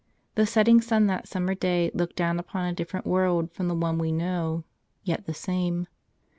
The setting sun that summer day looked down upon a different world from the one we know, — yet the same.